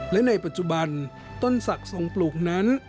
และในปัจจุบันต้นศักดิ์ทรงปลูกนั้น